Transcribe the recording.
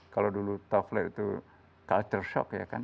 kalau dulu toffle itu culture shock ya kan